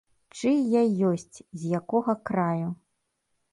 Чый я ёсць, з якога краю.